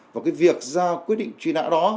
và cái việc ra quy định truy nã đó